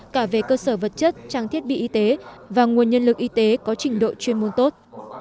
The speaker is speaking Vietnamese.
cả về cơ sở vật chất trang thiết bị y tế và nguồn nhân lực y tế có trình độ chuyên môn tốt